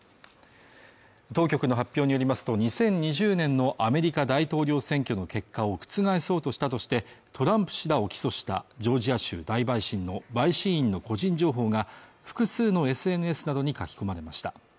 当局の発表によりますと２０２０年のアメリカ大統領選挙の結果を覆そうとしたとしてトランプ氏らを起訴したジョージア州大陪審の陪審員の個人情報が複数のＳＮＳなどに書き込まれました